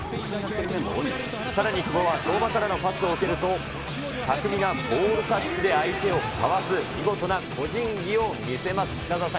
さらに久保は、相馬からのパスを受けると、巧みなボールタッチで相手をかわす見事な個人技を見せます。